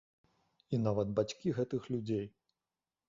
І нават бацькі гэтых людзей.